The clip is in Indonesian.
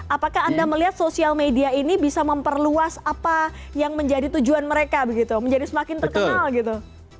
apakah anda melihat sosial media ini bisa memperluas apa yang menjadi tujuan mereka begitu menjadi semakin terkenal gitu